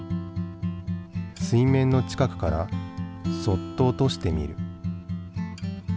水面の近くからそっと落としてみる。